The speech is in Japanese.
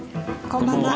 こんばんは。